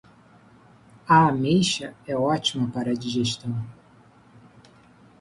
A ameixa é ótima para a digestão.